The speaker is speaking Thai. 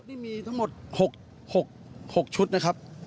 นี่มีทั้งหมด๖ชุดนะครับ